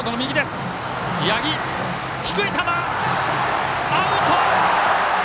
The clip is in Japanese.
八木、低い球、アウト。